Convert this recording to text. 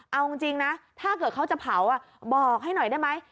เอาจริงนะถ้าเกิดเขาจะเผาบอกให้หน่อยได้ไหม